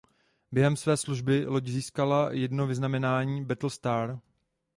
Během své služby loď získala jedno vyznamenání "Battle star".